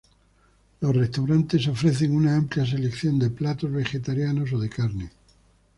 Los restaurantes ofrecen una amplia selección de platos vegetarianos o de carne.